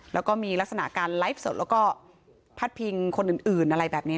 แล้วก็มีลักษณะการไลฟ์สดแล้วก็พัดพิงคนอื่นอะไรแบบนี้